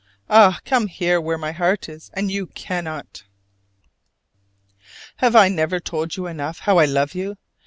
Ah, come here where my heart is, and you cannot! Have I never told you enough how I love you?